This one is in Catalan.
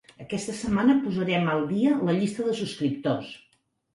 Aquesta setmana posarem al dia la llista de subscriptors.